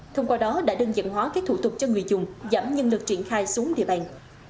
thông qua đó đã đơn giản hóa các thủ tục cho người dùng giảm nhân lực triển khai xuống địa bàn